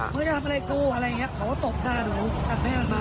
หนูก็จะทำอะไรกูคืออะไรอย่างเงี้ยบอกว่าตบหน้าหนูกลับให้หนังมา